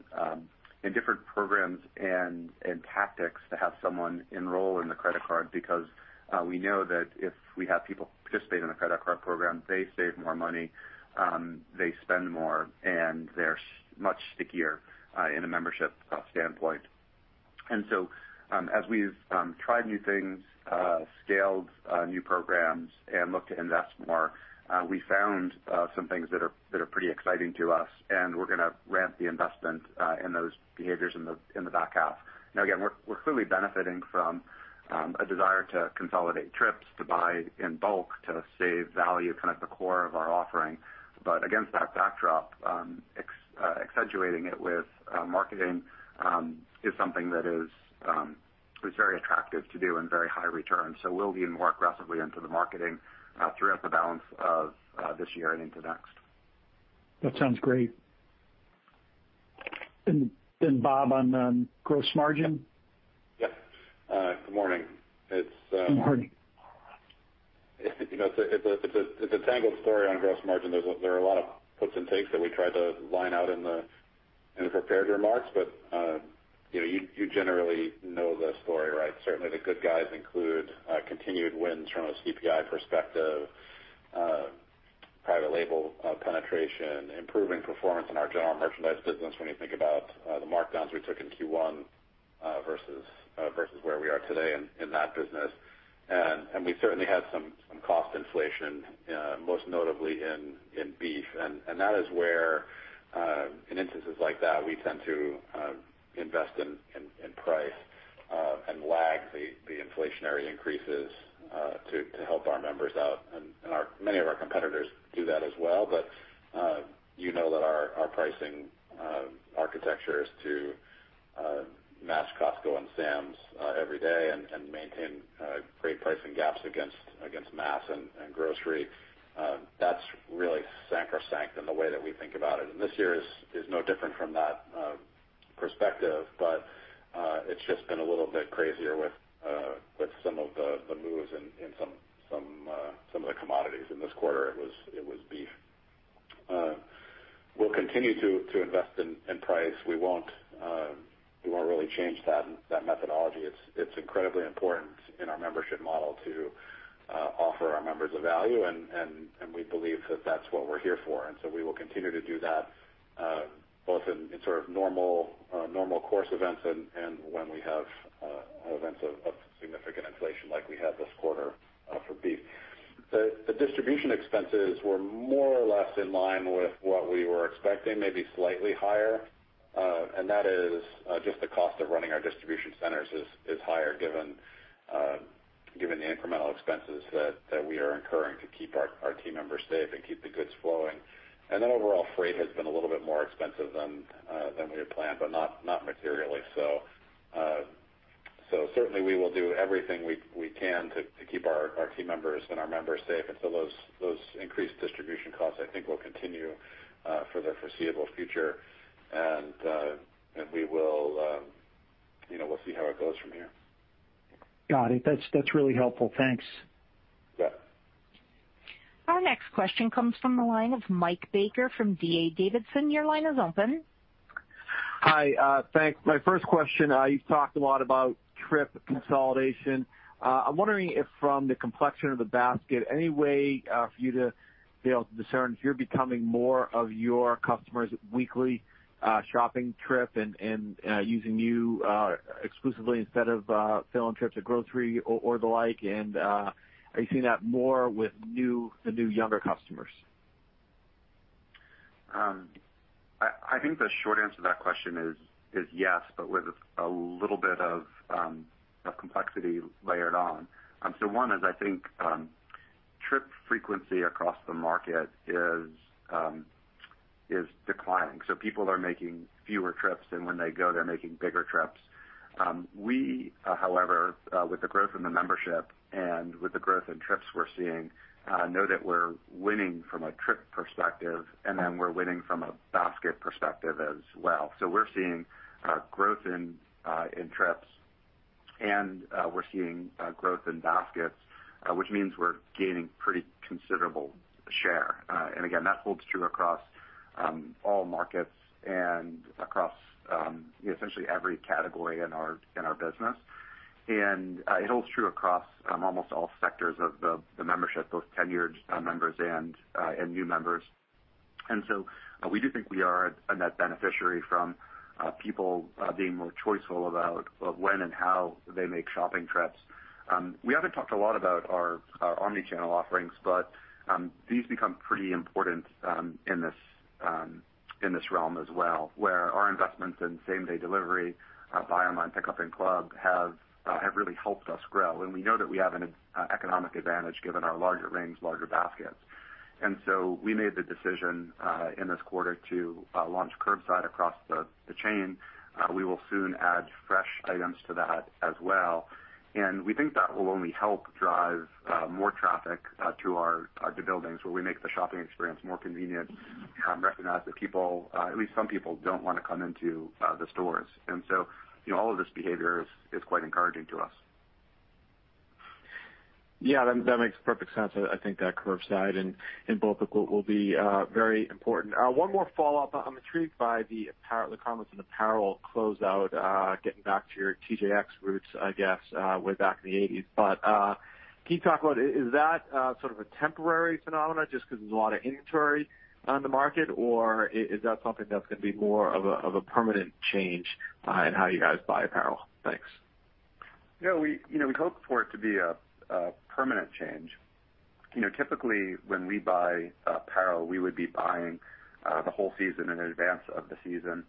different programs and tactics to have someone enroll in the credit card because we know that if we have people participate in the credit card program, they save more money, they spend more, and they're much stickier in a membership standpoint. As we've tried new things, scaled new programs, and looked to invest more, we found some things that are pretty exciting to us, and we're going to ramp the investment in those behaviors in the back half. Again, we're clearly benefiting from a desire to consolidate trips, to buy in bulk, to save value, kind of the core of our offering. Against that backdrop, it's Accentuating it with marketing is something that is very attractive to do and very high return. We'll be more aggressively into the marketing throughout the balance of this year and into next. That sounds great. Bob, on gross margin. Yes. Good morning. Good morning. It's a tangled story on gross margin. There are a lot of puts and takes that we tried to line out in the prepared remarks, but you generally know the story, right? Certainly, the good guys include continued wins from a CPI perspective, private label penetration, improving performance in our general merchandise business when you think about the markdowns we took in Q1 versus where we are today in that business. We certainly had some cost inflation, most notably in beef. That is where, in instances like that, we tend to invest in price and lag the inflationary increases to help our members out. Many of our competitors do that as well. But you know that our pricing architecture is to match Costco and Sam's every day and maintain great pricing gaps against mass and grocery. That's really sacrosanct in the way that we think about it. This year is no different from that perspective. It's just been a little bit crazier with some of the moves in some of the commodities. In this quarter, it was beef. We'll continue to invest in price. We won't really change that methodology. It's incredibly important in our membership model to offer our members a value, and we believe that that's what we're here for, and so we will continue to do that both in sort of normal course events and when we have events of significant inflation like we had this quarter for beef. The distribution expenses were more or less in line with what we were expecting, maybe slightly higher. That is just the cost of running our distribution centers is higher given the incremental expenses that we are incurring to keep our team members safe and keep the goods flowing. Overall, freight has been a little bit more expensive than we had planned, but not materially. Certainly, we will do everything we can to keep our team members and our members safe. Those increased distribution costs, I think, will continue for the foreseeable future. We'll see how it goes from here. Got it. That's really helpful. Thanks. Yeah. Our next question comes from the line of Mike Baker from D.A. Davidson. Your line is open. Hi. Thanks. My first question, you've talked a lot about trip consolidation. I'm wondering if from the complexion of the basket, any way for you to be able to discern if you're becoming more of your customers' weekly shopping trip and using you exclusively instead of filling trips at grocery or the like. Are you seeing that more with the new younger customers? I think the short answer to that question is yes, but with a little bit of complexity layered on. One is, I think, trip frequency across the market is declining. People are making fewer trips, and when they go, they're making bigger trips. We, however, with the growth in the membership and with the growth in trips we're seeing, know that we're winning from a trip perspective, and then we're winning from a basket perspective as well. We're seeing growth in trips and we're seeing growth in baskets, which means we're gaining pretty considerable share. Again, that holds true across all markets and across essentially every category in our business. It holds true across almost all sectors of the membership, both tenured members and new members. We do think we are a net beneficiary from people being more choiceful about when and how they make shopping trips. We haven't talked a lot about our omni-channel offerings, but these become pretty important in this realm as well, where our investments in same-day delivery, buy online, pickup in club have really helped us grow. We know that we have an economic advantage given our larger range, larger baskets. We made the decision in this quarter to launch curbside across the chain. We will soon add fresh items to that as well, and we think that will only help drive more traffic to our buildings, where we make the shopping experience more convenient, recognize that people, at least some people, don't want to come into the stores. All of this behavior is quite encouraging to us. Yeah, that makes perfect sense. I think that curbside and will be very important. One more follow-up. I'm intrigued by the comments on apparel closeout, getting back to your TJX roots, I guess, way back in the '80s. Can you talk about, is that sort of a temporary phenomenon just because there's a lot of inventory on the market, or is that something that's going to be more of a permanent change in how you guys buy apparel? Thanks. We hope for it to be a permanent change. Typically, when we buy apparel, we would be buying the whole season in advance of the season,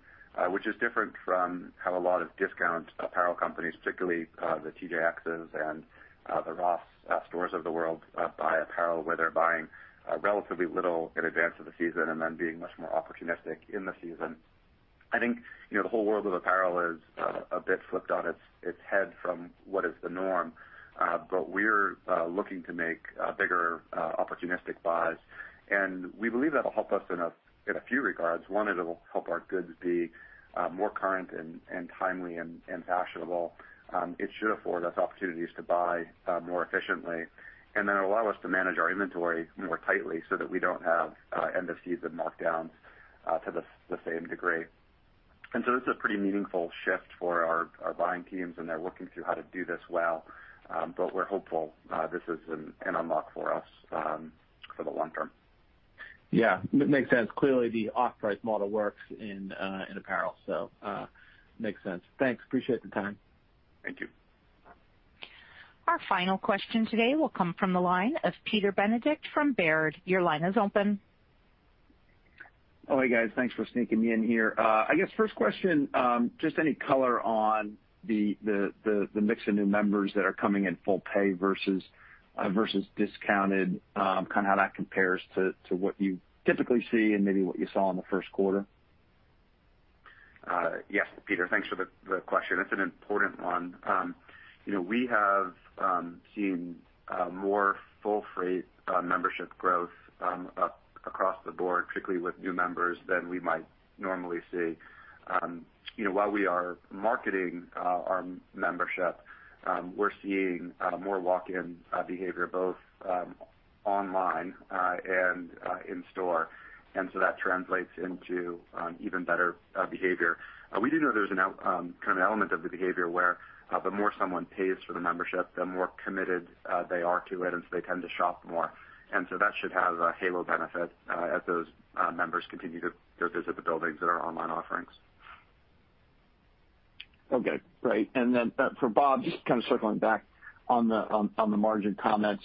which is different from how a lot of discount apparel companies, particularly the TJX's and the Ross Stores of the world, buy apparel, where they're buying relatively little in advance of the season and then being much more opportunistic in the season. I think, the whole world of apparel is a bit flipped on its head from what is the norm. We're looking to make bigger opportunistic buys, and we believe that'll help us in a few regards. One, it'll help our goods be more current and timely and fashionable. It should afford us opportunities to buy more efficiently, and then allow us to manage our inventory more tightly so that we don't have end of season markdowns to the same degree. This is a pretty meaningful shift for our buying teams, and they're working through how to do this well. We're hopeful this is an unlock for us for the long term. Yeah. Makes sense. Clearly, the off-price model works in apparel. Makes sense. Thanks. Appreciate the time. Thank you. Our final question today will come from the line of Peter Benedict from Baird. Your line is open. Hi, guys. Thanks for sneaking me in here. I guess, first question, just any color on the mix of new members that are coming in full pay versus discounted, how that compares to what you typically see and maybe what you saw in the first quarter. Yes, Peter. Thanks for the question. That's an important one. We have seen more full-freight membership growth up across the board, particularly with new members, than we might normally see. While we are marketing our membership, we're seeing more walk-in behavior, both online and in store. That translates into even better behavior. We do know there's an element of the behavior where the more someone pays for the membership, the more committed they are to it, and so they tend to shop more. That should have a halo benefit as those members continue to visit the buildings and our online offerings. Okay, great. Then for Bob, just circling back on the margin comments,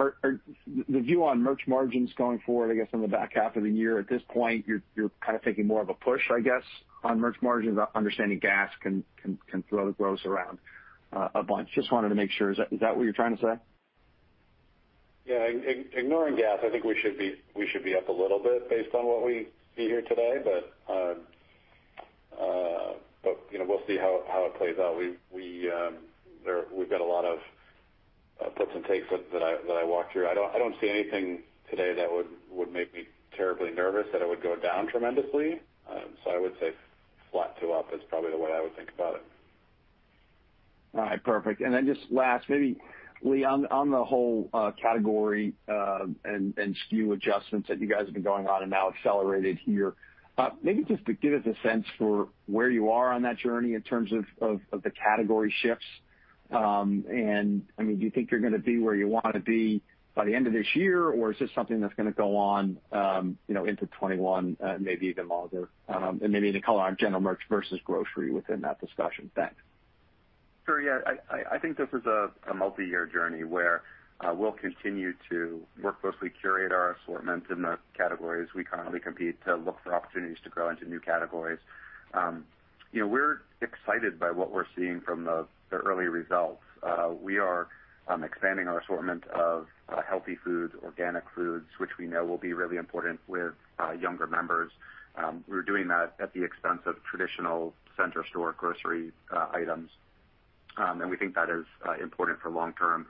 are the view on merch margins going forward, I guess, in the back half of the year, at this point, you're taking more of a push, I guess, on merch margins? Understanding gas can throw the growth around a bunch. Just wanted to make sure. Is that what you're trying to say? Ignoring gas, I think we should be up a little bit based on what we see here today. We'll see how it plays out. We've got a lot of puts and takes that I walked through. I don't see anything today that would make me terribly nervous that it would go down tremendously. I would say flat to up is probably the way I would think about it. All right, perfect. Then just last, maybe Lee, on the whole category, and SKU adjustments that you guys have been going on and now accelerated here. Maybe just to give us a sense for where you are on that journey in terms of the category shifts. Do you think you're gonna be where you want to be by the end of this year, or is this something that's gonna go on into 2021, maybe even longer? Maybe any color on general merch versus grocery within that discussion. Thanks. Sure. Yeah. I think this is a multi-year journey where we'll continue to work closely, curate our assortments in the categories we currently compete, to look for opportunities to grow into new categories. We're excited by what we're seeing from the early results. We are expanding our assortment of healthy foods, organic foods, which we know will be really important with younger members. We're doing that at the expense of traditional center store grocery items. We think that is important for long term.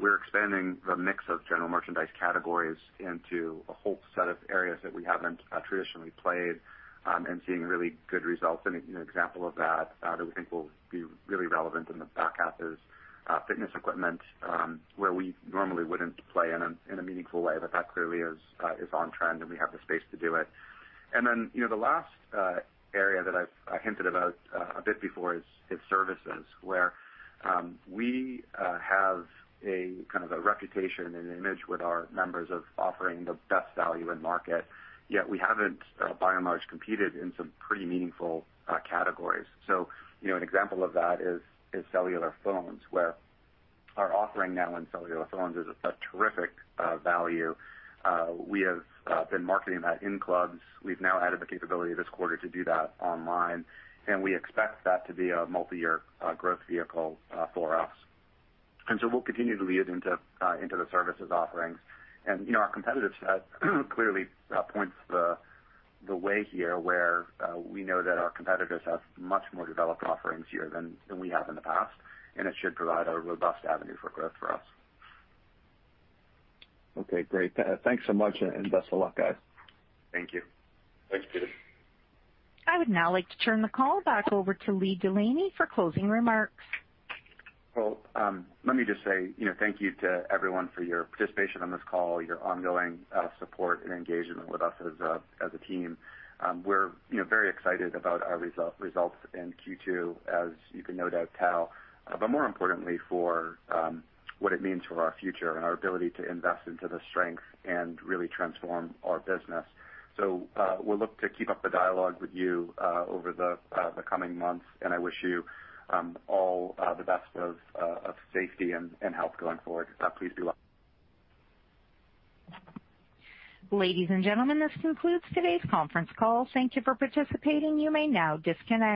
We're expanding the mix of general merchandise categories into a whole set of areas that we haven't traditionally played, and seeing really good results. An example of that we think will be really relevant in the back half, is fitness equipment, where we normally wouldn't play in a meaningful way. That clearly is on trend, and we have the space to do it. The last area that I hinted about a bit before is services, where we have a kind of a reputation and image with our members of offering the best value in market, yet we haven't, by and large, competed in some pretty meaningful categories. An example of that is cellular phones, where our offering now in cellular phones is a terrific value. We have been marketing that in clubs. We've now added the capability this quarter to do that online, and we expect that to be a multi-year growth vehicle for us. We'll continue to lead into the services offerings. Our competitive set clearly points the way here, where we know that our competitors have much more developed offerings here than we have in the past, and it should provide a robust avenue for growth for us. Okay, great. Thanks so much, and best of luck, guys. Thank you. Thanks, Peter. I would now like to turn the call back over to Lee Delaney for closing remarks. Let me just say thank you to everyone for your participation on this call, your ongoing support and engagement with us as a team. We're very excited about our results in Q2, as you can no doubt tell. More importantly, for what it means for our future and our ability to invest into the strength and really transform our business. We'll look to keep up the dialogue with you over the coming months, and I wish you all the best of safety and health going forward. Please be well. Ladies and gentlemen, this concludes today's conference call. Thank you for participating. You may now disconnect.